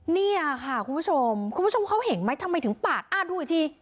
เนี่ยค่ะคุณผู้ชมคุณผู้ชมเขาเห็นไหมทำไมถึงปาดอ้านดูอีกที